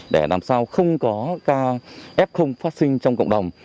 để làm sao không có ca f phát sinh trong cộng đồng